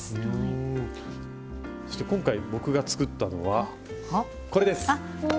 そして今回僕が作ったのはこれです。